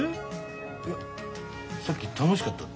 いやさっき楽しかったって。